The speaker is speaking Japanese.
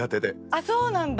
あっそうなんだ！